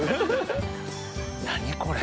何これ？